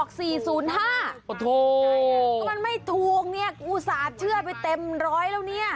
ก็มันไม่ถูกเนี่ยอุตส่าห์เชื่อไปเต็มร้อยแล้วเนี่ย